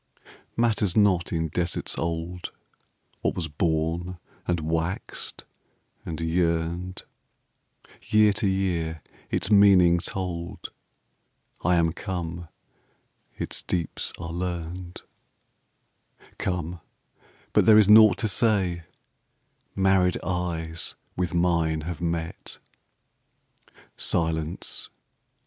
Matters not in deserts old, What was born, and waxed, and yearned, Year to year its meaning told, I am come, its deeps are learned, Come, but there is naught to say, Married eyes with mine have met. Silence!